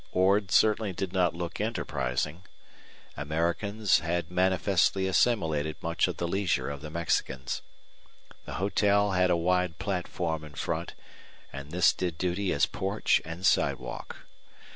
Ord certainly did not look enterprising. Americans had manifestly assimilated much of the leisure of the Mexicans. The hotel had a wide platform in front, and this did duty as porch and sidewalk.